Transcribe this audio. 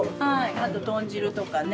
あと豚汁とかね。